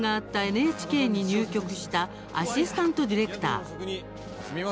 ＮＨＫに入局したアシスタントディレクター。